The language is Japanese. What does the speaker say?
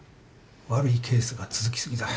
悪いケースが続き過ぎだ。